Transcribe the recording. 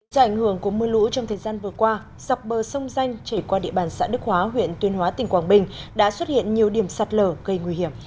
do ảnh hưởng của mưa lũ trong thời gian vừa qua dọc bờ sông danh chảy qua địa bàn xã đức hóa huyện tuyên hóa tỉnh quảng bình đã xuất hiện nhiều điểm sạt lở gây nguy hiểm